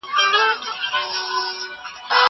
زه بايد تمرين وکړم!!